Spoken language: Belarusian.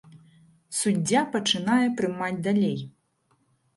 Суддзя пачынае прымаць далей.